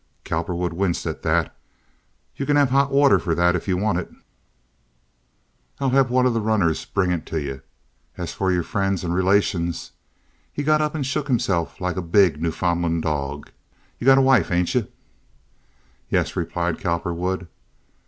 Cowperwood winced at that. "You kin have hot water for that if you want it. I'll have one of the runners bring it to you. An' as for your friends and relations"—he got up and shook himself like a big Newfoundland dog. "You gotta wife, hain't you?" "Yes," replied Cowperwood.